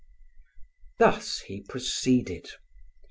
Thus he proceeded.